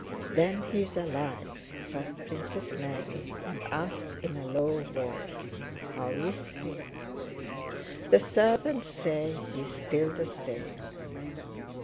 "Then he is alive," thought Princess Mary, and asked in a low voice: "How is he?" "The servants say he is still the same."